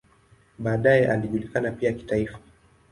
Baadaye alijulikana pia kitaifa.